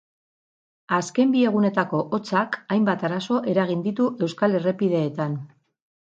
Azken bi egunetako hotzak hainbat arazo eragin ditu euskal errepideetan.